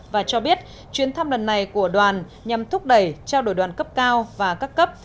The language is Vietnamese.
và cho biết chuyến thăm lần này của đoàn nhằm thúc đẩy trao đổi đoàn cấp cao và các cấp